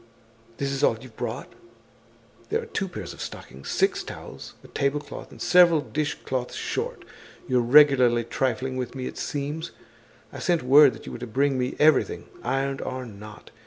This is all you've brought? There are two pairs of stockings, six towels, a table cloth, and several dish cloths short. You're regularly trifling with me, it seems! I sent word that you were to bring me everything, ironed or not.